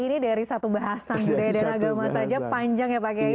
ini dari satu bahasan budaya dan agama saja panjang ya pak kiai